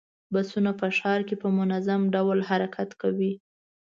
بسونه په ښار کې په منظم ډول حرکت کوي.